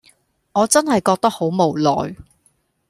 我真係覺得好無奈